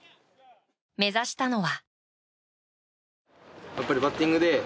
目指したのは。